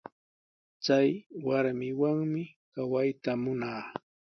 Chay warmiwanmi kawayta munaa.